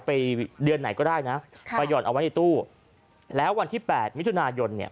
ไปเดือนไหนก็ได้นะไปห่อนเอาไว้ในตู้แล้ววันที่๘มิถุนายนเนี่ย